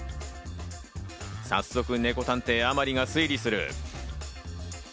早速、ネコ探偵・甘利が推理する。